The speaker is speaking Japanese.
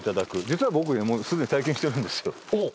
実は僕ねもうすでに体験してるんですよ。